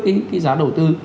cái giá đầu tư